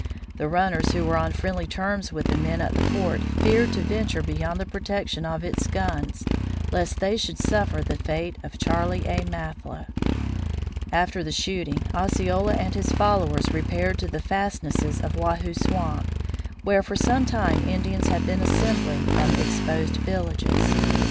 The runners who were on friendly terms with the men at the fort feared to venture beyond the protection of its guns lest they should suffer the fate of Charley A. Mathla. After the shooting, Osceola and his followers repaired to the fastnesses of Wahoo Swamp, where for some time Indians had been assembling from exposed villages.